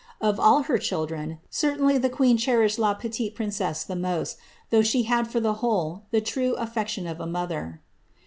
Of all her children, certainly the queen cherished la petite princesse the most, though she had for the whole the true wSe^ tion of a mother.''